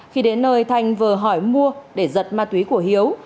khi đến nơi thanh vừa hỏi mua để giật ma túy của hiếu